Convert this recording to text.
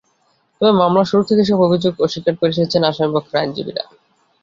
তবে মামলার শুরু থেকেই এসব অভিযোগ অস্বীকার করে এসেছেন আসামিপক্ষের আইনজীবীরা।